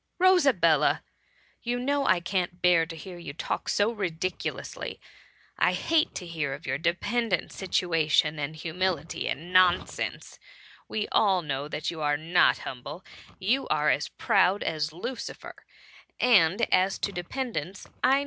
" Rosabella ! you know I can't bear to hear you talk so ridiculously — I hate to hear of your dependant situation, and humility, and nonsense ; we all know that you are not humble, you are as proud as I^ucifer ; and as to dependance, I THB MUMMY.